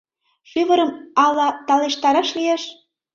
Шӱвырым ала талештараш лиеш?